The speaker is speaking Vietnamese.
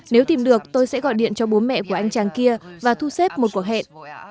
nếu tìm được tôi sẽ gọi điện cho bố mẹ của anh tràng kia và thu xếp một cuộc hẹn